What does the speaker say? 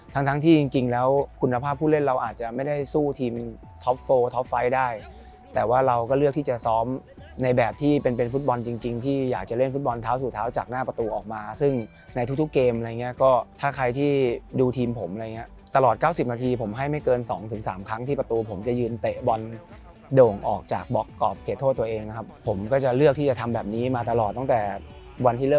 ทีมท็อปโฟท์ท็อปไฟท์ได้แต่ว่าเราก็เลือกที่จะซ้อมในแบบที่เป็นเป็นฟุตบอลจริงจริงที่อยากจะเล่นฟุตบอลเท้าสู่เท้าจากหน้าประตูออกมาซึ่งในทุกทุกเกมอะไรเงี้ยก็ถ้าใครที่ดูทีมผมอะไรเงี้ยตลอดเก้าสิบนาทีผมให้ไม่เกินสองถึงสามครั้งที่ประตูผมจะยืนเตะบอลโด่งออกจากบอกกรอบเขตโทษตัวเ